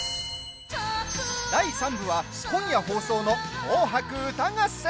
第３部は今夜放送の「紅白歌合戦」。